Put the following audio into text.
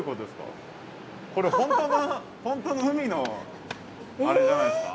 これ本当の海のあれじゃないですか。